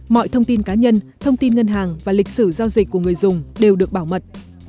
mọi thông tin cá nhân thông tin ngân hàng và lịch sử giao dịch của người dùng đều được bảo mật